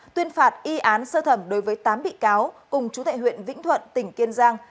tuyên phạt y án sơ thẩm đối với tám bị cáo cùng chú thệ huyện vĩnh thuận tỉnh kiên giang